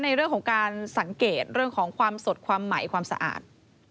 ในเรื่องของการสังเกตเรื่องของความสดความใหม่ความสะอาด